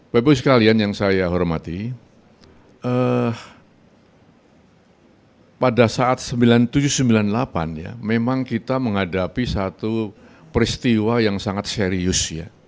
bapak ibu sekalian yang saya hormati pada saat seribu sembilan ratus sembilan puluh tujuh sembilan puluh delapan ya memang kita menghadapi satu peristiwa yang sangat serius